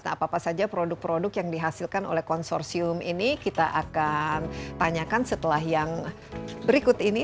nah apa apa saja produk produk yang dihasilkan oleh konsorsium ini kita akan tanyakan setelah yang berikut ini